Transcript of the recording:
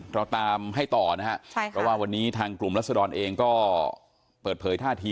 เราตามให้ต่อนะครับเพราะว่าวันนี้ทางกลุ่มรัศดรเองก็เปิดเผยท่าที